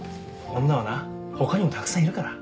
女はな他にもたくさんいるから。